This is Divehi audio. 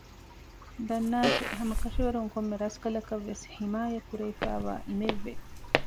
ދަންނާށޭ ހަމަކަށަވަރުން ކޮންމެ ރަސްކަލަކަށް ވެސް ޙިމާޔަތް ކުރެވިފައިވާ އިމެއް ވޭ